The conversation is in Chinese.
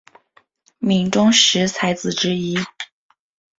闽中十才子之一。